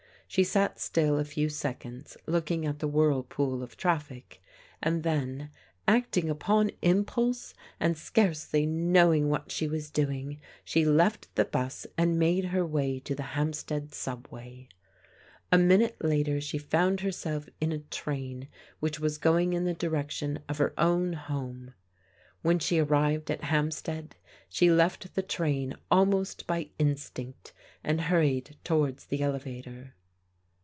I She sat still a few seconds, looking at the whirlpool of traffic, and then, acting upon impulse, and scarcely know ing what she was doing, she left the 'bus, and made her way to the Hampstead Subway. A minute later she found herself in a train which was going in the direc tion of her own home. When she arrived at Hampstead she left the train almost by instinct, and hurried towards the elevator.